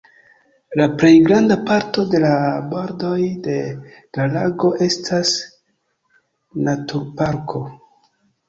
La plejgranda parto de la bordoj de la lago estas naturparko.